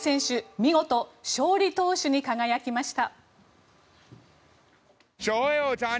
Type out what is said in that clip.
見事、勝利投手に輝きました。